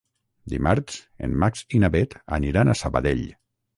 Dimarts en Max i na Bet aniran a Sabadell.